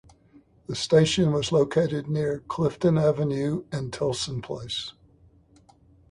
The station was located near Clifton Avenue and Tilson Place.